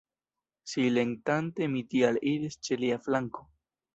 Silentante mi tial iris ĉe lia flanko.